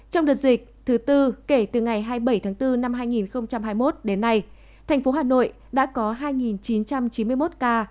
trong đợt dịch thứ tư kể từ ngày hai mươi bảy tháng bốn năm hai nghìn hai mươi một đến nay thành phố hà nội đã có hai chín trăm chín mươi một ca